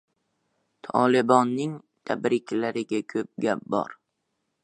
Tolibonning tabriklarida ko‘p gap bor